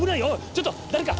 ちょっと誰か！